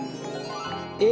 え！